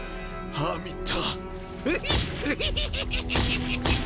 ハーミット！